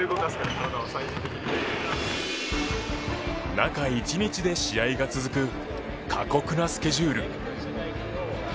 中１日で試合が続く過酷なスケジュール。